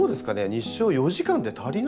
日照４時間で足りないんですか？